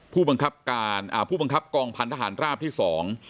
ผู้บังคับการอ่าผู้บังคับกองพันธหารราบที่สอง